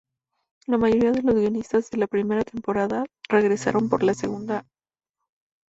La mayoría de los guionistas de la primera temporada regresaron por la segunda.